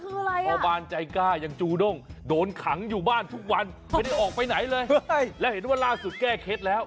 ของขลังเขาอยู่ที่บ้านน่ะพอบ้านใจกล้ายังจูด้งโดนขังอยู่บ้านทุกวันไม่ได้ออกไปไหนเลยและเห็นว่าล่าสุดแก้เคล็ดแล้ว